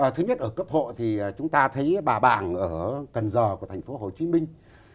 thứ nhất ở cấp hộ thì chúng ta thấy bà bàng ở cần giờ của thành phố hồ chí minh